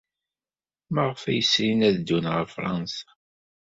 Maɣef ay srin ad ddun ɣer Fṛansa?